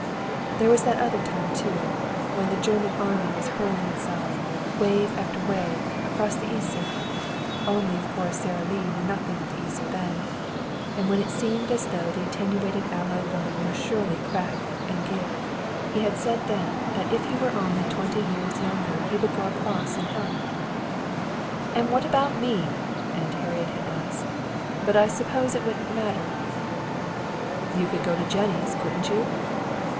There was that other time, too, when the German Army was hurling itself, wave after wave, across the Yser only of course Sara Lee knew nothing of the Yser then and when it seemed as though the attenuated Allied line must surely crack and give. He had said then that if he were only twenty years younger he would go across and help. "And what about me?" Aunt Harriet had asked. "But I suppose I wouldn't matter." "You could go to Jennie's, couldn't you?"